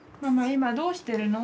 今どうしてるの？